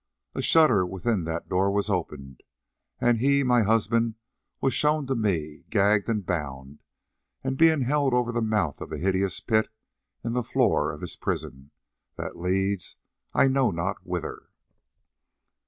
A shutter within that door was opened, and he, my husband, was shown to me, gagged and bound, and being held over the mouth of a hideous pit in the floor of his prison, that leads I know not whither.